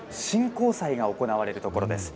神幸祭が行われるところです。